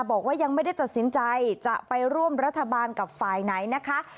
บอกว่ายังไม่ได้ตัดสินใจจะไปร่วมรัฐบาลกับฝ่ายไหนนะคะ